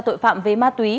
tội phạm về ma túy